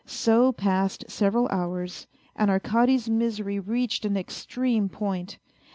So passed several hours, and Arkady's misery reached an extreme point.